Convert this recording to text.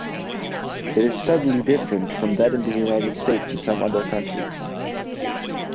It is subtly different from that in the United States and some other countries.